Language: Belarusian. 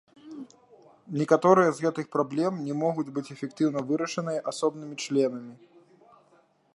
Некаторыя з гэтых праблем не могуць быць эфектыўна вырашаныя асобнымі членамі.